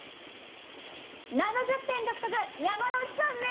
７０点獲得山之内さんです！